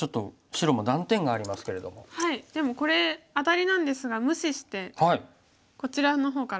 でもこれアタリなんですが無視してこちらの方から。